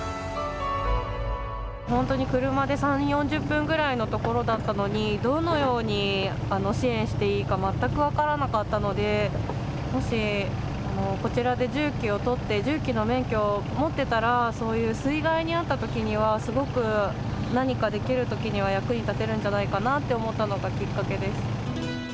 本当に車で３０４０分ぐらいのところだったのにどのように支援していいか全く分からなかったのでもしこちらで重機を取って重機の免許を持ってたらそういう水害に遭った時にはすごく何かできる時には役に立てるんじゃないかなって思ったのがきっかけです。